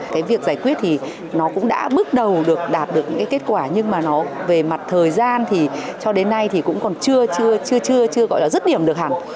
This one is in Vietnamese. cái việc giải quyết thì nó cũng đã bước đầu được đạt được những kết quả nhưng mà nó về mặt thời gian thì cho đến nay thì cũng còn chưa chưa chưa chưa gọi là rứt điểm được hẳn